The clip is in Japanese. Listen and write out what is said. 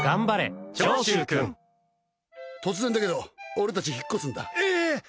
突然だけど、俺たち引っ越すんだ。